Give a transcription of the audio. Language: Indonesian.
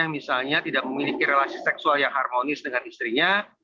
misalnya tidak memiliki relasi seksual yang harmonis dengan istrinya